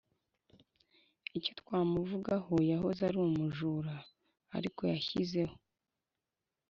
Icyo twamuvugaho yahoze ari umujura ariko yashyizeho